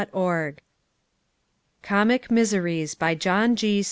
] COMIC MISERIES BY JOHN G.